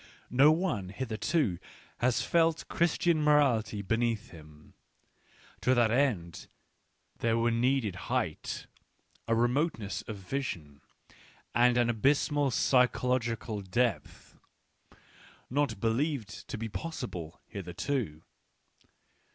No one hitherto has felt Christian morality beneath him ; to that end there were needed height, a re moteness of vision, and an abysmal psychological depth, not believed to be possible hitherto.